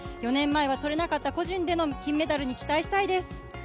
４年前はとれなかった個人での金メダルに期待したいです。